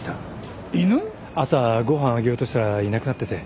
朝ご飯あげようとしたらいなくなってて。